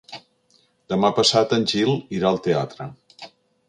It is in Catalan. Demà passat en Gil irà al teatre.